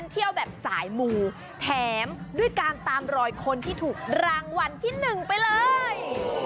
เที่ยวแบบสายมูแถมด้วยการตามรอยคนที่ถูกรางวัลที่๑ไปเลย